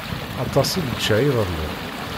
Aṭas i yečča iḍelli.